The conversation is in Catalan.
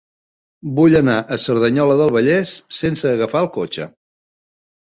Vull anar a Cerdanyola del Vallès sense agafar el cotxe.